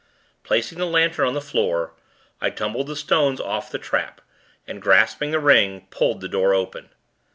Placing the lantern on the floor, I tumbled the stones off the trap, and, grasping the ring, pulled the door open.